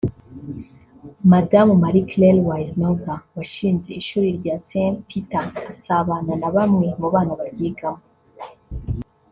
Madamu Marie Claire Wisenhofer washinze ishuli rya St Peter asabana na bamwe mu bana baryigamo